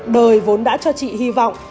đời vốn đã cho chị hy vọng